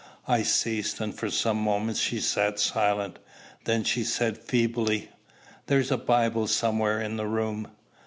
I ceased, and for some moments she sat silent. Then she said feebly, "There's a Bible somewhere in the room."